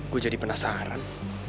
gua jadi penasaran